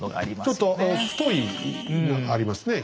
ちょっと太いのがありますね